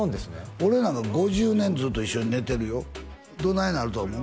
俺なんか５０年ずっと一緒に寝てるよどないなると思う？